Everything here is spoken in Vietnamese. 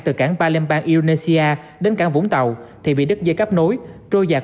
từ cảng palembang indonesia đến cảng vũng tàu thì bị đứt dây cáp nối trôi giặc